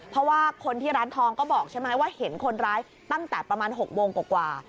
เพราะว่าคนที่ร้านทองก็บอกใช่ไหมว่าเห็นคนร้ายตั้งแต่ประมาณ๖โมงกว่า